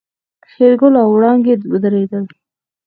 شېرګل او وړانګې ودرېدل.